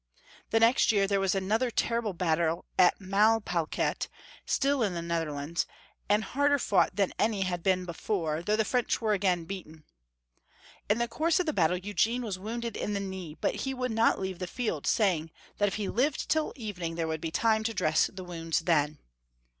The next year there was another terrible battle at Malplaquet, still in the Netherlands, and harder fought than any had been before, though the French were again beaten. In the course of the battle Eugene was wounded in the knee, but he would not leave the field, saying that if he lived [i r 382 Young FolW History of Q ermany. till evening there would be time to dress wounds then.